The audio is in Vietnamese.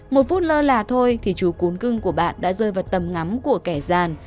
một phút lơ là thôi thì chú cún cưng của bạn đã rơi vào tầm ngắm của kẻ gian